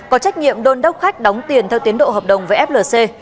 có trách nhiệm đôn đốc khách đóng tiền theo tiến độ hợp đồng với flc